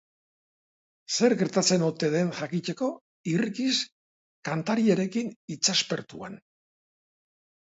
Zer gertatzen ote den jakiteko irrikiz, kantariarekin hitzaspertuan.